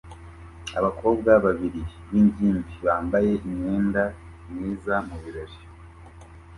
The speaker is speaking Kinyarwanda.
Abakobwa babiri b'ingimbi bambaye imyenda myiza mu birori